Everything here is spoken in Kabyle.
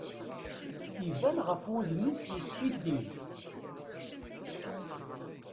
Iban ɣef wudem-is yeskiddib.